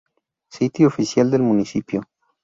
Sitio oficial del Municipio